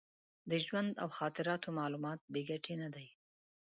د ژوند او خاطراتو معلومات بې ګټې نه دي.